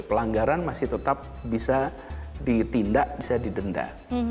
pelanggaran masih tetap bisa ditindak bisa didenda